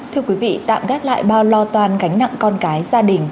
thưa quý vị tạm gác lại bao lo toan gánh nặng con cái gia đình